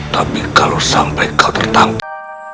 tapi kalau sampai kau tertangkap